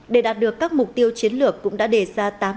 để đạt được các mục tiêu chiến lược cũng đã đề ra tám dự án